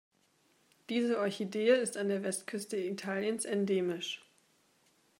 Diese Orchidee ist an der Westküste Italiens endemisch.